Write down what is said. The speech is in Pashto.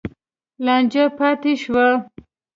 لانجه پاتې شوه.